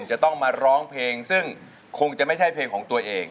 จะต้องมาร้องเพลงซึ่งคงจะไม่ใช่เพลงของตัวเอง